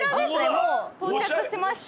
もう到着しました。